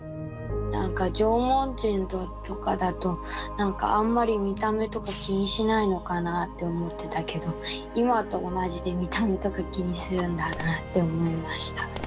なんか縄文人とかだとなんかあんまり見た目とか気にしないのかなあって思ってたけど今と同じで見た目とか気にするんだなあって思いました。